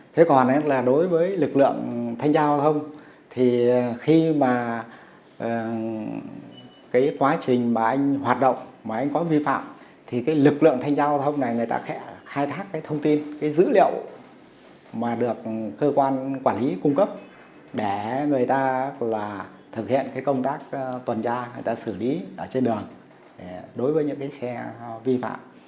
thế còn là đối với lực lượng thanh tra hoa thông thì khi mà cái quá trình mà anh hoạt động mà anh có vi phạm thì cái lực lượng thanh tra hoa thông này người ta khai thác cái thông tin cái dữ liệu mà được cơ quan quản lý cung cấp để người ta thực hiện cái công tác tuần tra người ta xử lý ở trên đường đối với những cái xe vi phạm